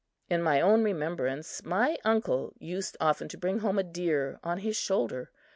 In my own remembrance, my uncle used often to bring home a deer on his shoulder.